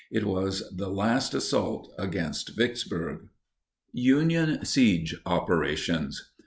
It was the last assault against Vicksburg. UNION SIEGE OPERATIONS.